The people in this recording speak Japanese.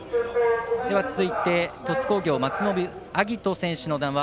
続いて鳥栖工業の松延晶音選手の談話。